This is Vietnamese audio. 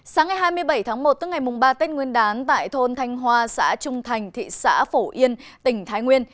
sáng ngày hai mươi bảy tháng một tức ngày ba tết nguyên đán tại thôn thanh hoa xã trung thành thị xã phổ yên tỉnh thái nguyên